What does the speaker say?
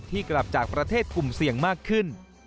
กลับจากประเทศกลุ่มเสี่ยงมากขึ้น